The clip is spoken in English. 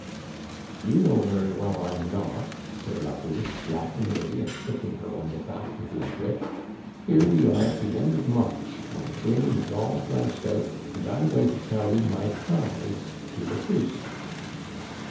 "'You know very well I'm not,' said Larouche laughingly, and flicking her on the back with his whip. * Here we are at the end of March, my grain is all thrashed out, and I'm going to carry my tithes to the priest.'